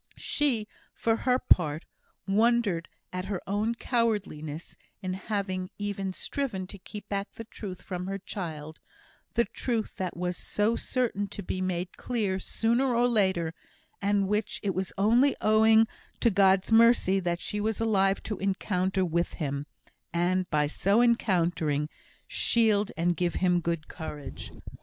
She, for her part, wondered at her own cowardliness in having even striven to keep back the truth from her child the truth that was so certain to be made clear, sooner or later, and which it was only owing to God's mercy that she was alive to encounter with him, and, by so encountering, shield and give him good courage.